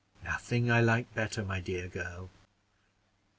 "Nothing I like better, my dear girl.